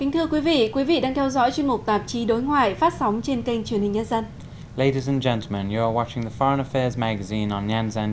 thưa quý vị quý vị đang theo dõi chuyên mục tạp chí đối ngoại phát sóng trên kênh truyền hình nhân dân